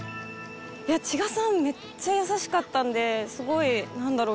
千賀さんめっちゃ優しかったんですごいなんだろう